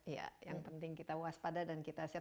ya yang penting kita waspada dan kita siap